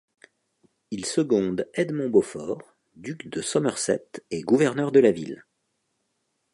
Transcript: Il seconde Edmond Beaufort, duc de Somerset et gouverneur de la ville.